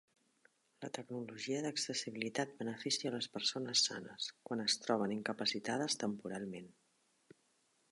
La tecnologia d'accessibilitat beneficia a les persones sanes, quan es troben incapacitades temporalment.